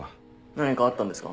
何かあったんですか？